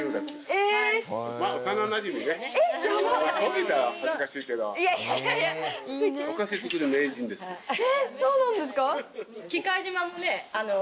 えっそうなんですか？